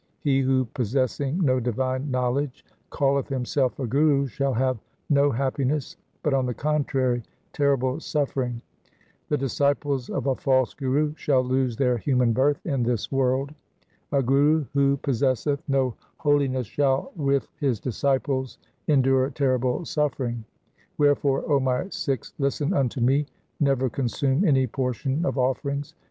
He who, possessing no divine know ledge, calleth himself a guru shall have no happiness, but on the contrary terrible suffering. The disciples of a false guru shall lose their human birth in this world. A guru who possesseth no holiness shall with his disciples endure terrible suffering. Wherefore, 0 my Sikhs, listen unto me, never consume any portion of offerings.